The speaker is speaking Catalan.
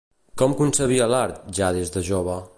Com concebia l'art, ja des de jove?